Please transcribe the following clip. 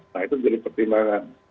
nah itu jadi pertimbangan